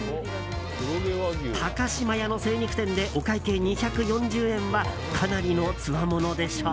高島屋の精肉店でお会計２４０円はかなりのつわものでしょう。